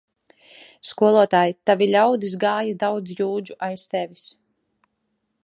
Skolotāj, tavi ļaudis gāja daudz jūdžu aiz tevis!